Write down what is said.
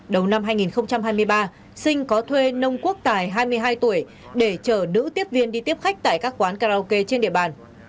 đầu năm hai nghìn hai mươi ba sinh có thuê nông quốc tài hai mươi hai tuổi để chở nữ tiếp viên đi tiếp khách tại các quán karaoke trên địa bàn